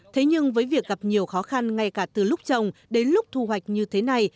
thế nhưng với việc gặp nhiều khó khăn ngay cả từ lúc trồng đến lúc thu hoạch như thế này